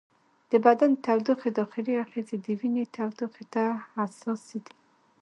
د بدن د تودوخې داخلي آخذې د وینې تودوخې ته حساسې دي.